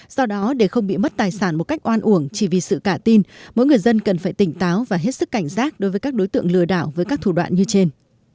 do đó để không bị mất tài sản một cách oan uổng chỉ vì sự cả tin mỗi người dân cần phải tỉnh táo và hết sức cảnh giác đối với các đối tượng lừa đảo với các thủ đoạn như trên